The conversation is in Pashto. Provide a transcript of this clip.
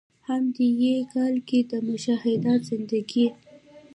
هم د ې کال کښې د“مشاهدات زندګي ”